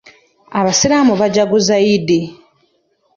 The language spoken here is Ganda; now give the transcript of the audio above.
Abasiraamu bajjaguza yidi